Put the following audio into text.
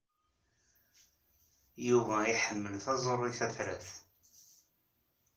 Yuba iḥemmel taẓuri tatrart.